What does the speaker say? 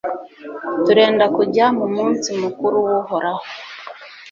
turenda kujya mu munsi mukuru w'uhoraho